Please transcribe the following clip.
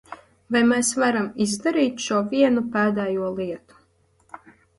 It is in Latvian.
Vai mēs varam izdarīt šo vienu pēdējo lietu?